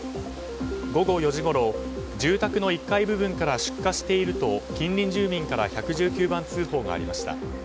午後４時ごろ住宅の１階部分から出火していると近隣住民から１１９番通報がありました。